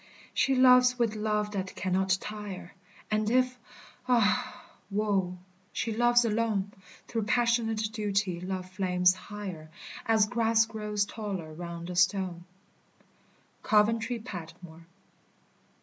"She loves with love that cannot tire: And if, ah, woe! she loves alone, Through passionate duty love flames higher, As grass grows taller round a stone." COVENTRY PATMORE.